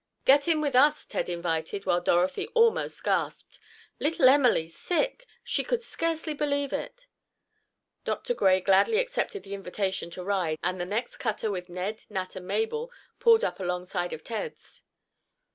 "Get in with us," Ted invited, while Dorothy almost gasped. Little Emily sick! She could scarcely believe it. Dr. Gray gladly accepted the invitation to ride, and the next cutter with Ned, Nat and Mabel, pulled up along side of Ted's.